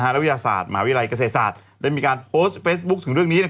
และวิทยาศาสตร์มหาวิทยาลัยเกษตรศาสตร์ได้มีการโพสต์เฟซบุ๊คถึงเรื่องนี้